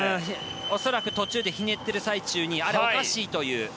恐らく途中でひねっている最中におかしいという。